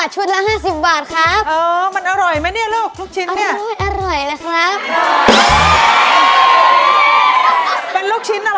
ขอเชิญท่านคณะกรรมการครับ